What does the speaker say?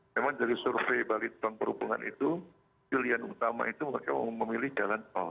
memang dari survei balitbang perhubungan itu pilihan utama itu mereka memilih jalan tol